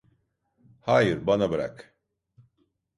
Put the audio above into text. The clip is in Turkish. Hayır, bana bırak.